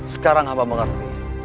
sekarang hamba mengerti